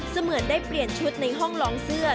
เหมือนได้เปลี่ยนชุดในห้องลองเสื้อ